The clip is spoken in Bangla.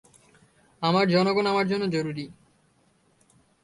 আমার জনগণ আমার জন্য জরুরি।